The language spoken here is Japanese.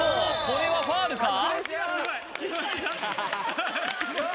これはファウルか？